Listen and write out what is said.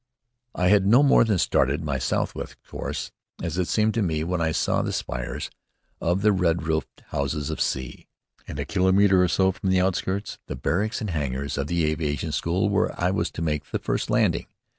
I had no more than started on my southwest course, as it seemed to me, when I saw the spires and the red roofed houses of C , and, a kilometre or so from the outskirts, the barracks and hangars of the aviation school where I was to make the first landing.